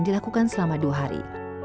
dilakukan selama dua hari